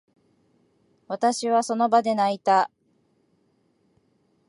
私は、その場で泣いた。